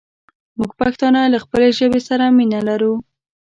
مونږ پښتانه له خپلې ژبې سره مينه لرو